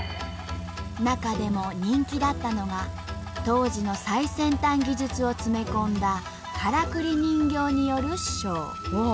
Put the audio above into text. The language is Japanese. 中でも人気だったのが当時の最先端技術を詰め込んだからくり人形によるショー。